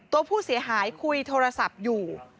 ตัวผู้เสียหายคุยโทรศัพท์อยู่